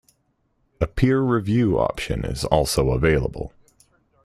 A peer-review option is also available.